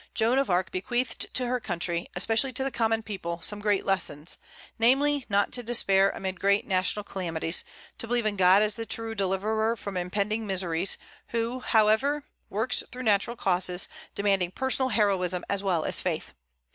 Joan of Arc bequeathed to her country, especially to the common people, some great lessons; namely, not to despair amid great national calamities; to believe in God as the true deliverer from impending miseries, who, however, works through natural causes, demanding personal heroism as well as faith.